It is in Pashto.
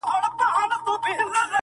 چې مې کله درنه اوباســــــــــي پهٔ سخړې